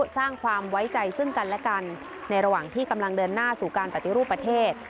สร้างความไว้ใจซึ่งกันและกันในระหว่างที่กำลังเดินหน้าสู่การปฏิรูปประเทศ